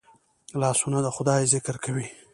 لاسونه د خدای ذکر کوي